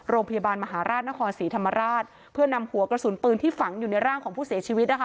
โรงพยาบาลมหาราชนครศรีธรรมราชเพื่อนำหัวกระสุนปืนที่ฝังอยู่ในร่างของผู้เสียชีวิตนะคะ